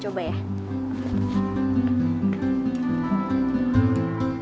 apa senbernya kamu